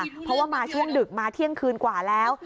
เพราะว่ามาช่วงดึกมาเที่ยงคืนกว่าแล้ว